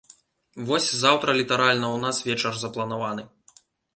Вось, заўтра літаральна ў нас вечар запланаваны.